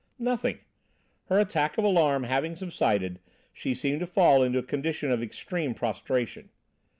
"Nothing. Her attack of alarm having subsided she seemed to fall into a condition of extreme prostration.